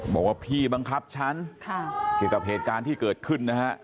บอกว่าพี่บังคับฉันเกี่ยวกับเหตุการณ์ที่เกิดขึ้นนะฮะ